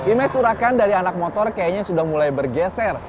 image surakan dari anak motor kayaknya sudah mulai bergeser